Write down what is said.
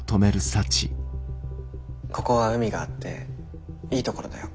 ここは海があっていい所だよ。